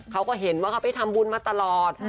เขาก็เห็นว่าเขาไปทำบุญมาตลอด